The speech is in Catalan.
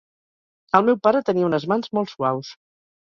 El meu pare tenia unes mans molt suaus.